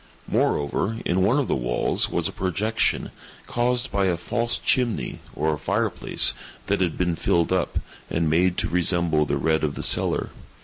Moreover, in one of the walls was a projection, caused by a false chimney, or fireplace, that had been filled up, and made to resemble the red of the cellar.